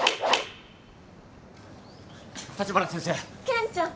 健ちゃん！